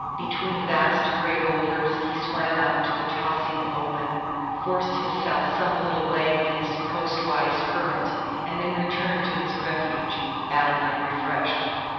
Between vast gray boulders he swam out to the tossing open, forced himself some little way against a coast wise current, and then returned to his refuge battered and refreshed.